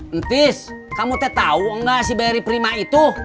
entis kamu tau gak si barry prima itu